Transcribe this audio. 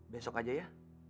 besok aja ya